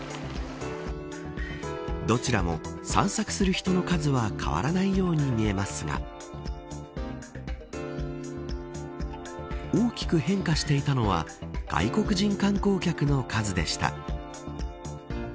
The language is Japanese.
どちらも散策する人の数は変わらないように見えますが大きく変化していたのは外国人観光客の数でした。